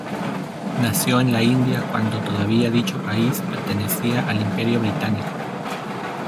Nació en la India cuando todavía dicho país pertenecía al Imperio británico.